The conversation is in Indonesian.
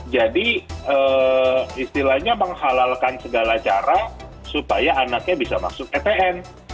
jadi istilahnya menghalalkan segala cara supaya anaknya bisa masuk ptn